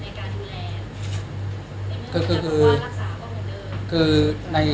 ในการดูแลในการรักษาก็ไม่เดิน